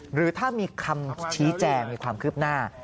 หรือถ้ามีคำชี้แจงมีความคืบหน้า